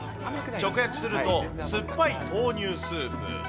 直訳すると酸っぱい豆乳スープ。